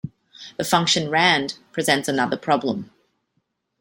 The function "rand" presents another problem.